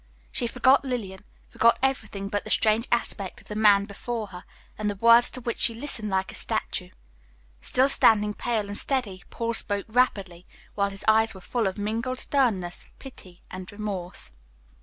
She forgot Lillian, forgot everything but the strange aspect of the man before her, and the words to which she listened like a statue. Still standing pale and steady, Paul spoke rapidly, while his eyes were full of mingled sternness, pity, and remorse.